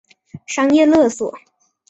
商业勒索